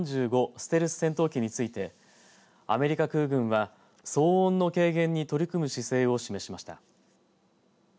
ステルス戦闘機についてアメリカ空軍は騒音の軽減に取り組む姿勢を示しました。